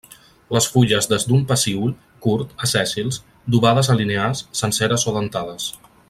Les fulles des d'un pecíol curt a sèssils; d'ovades a linears, senceres o dentades.